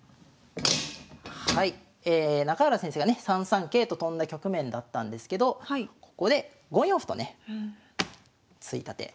３三桂と跳んだ局面だったんですけどここで５四歩とね突いた手